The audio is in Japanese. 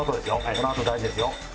このあと大事ですよ」